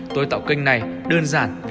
tôi tạo kênh này đơn giản vì hàm vui